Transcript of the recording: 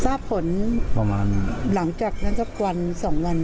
ทราบผลหลังจากนั้นสักวันสองวัน